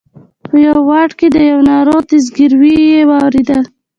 په یوه واټ کې د یوه ناروغ زګېروی یې واورېدل.